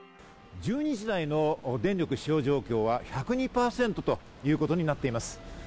１２時台の電力使用状況は１０２％ということになっています。